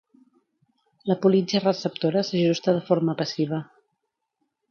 La politja receptora s’ajusta de forma passiva.